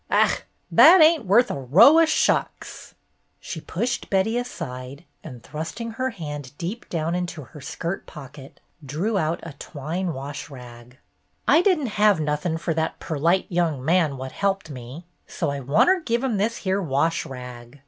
"Ach, that ain't worth a row o' shucks." She pushed Betty aside, and thrusting her hand deep down into her skirt pocket, drew 158 BETTY BAIRD'S GOLDEN YEAR out a twine wash rag. '' I did n't have nothin' fer that perlite young man what helped me, so I wanter give him this here wash rag.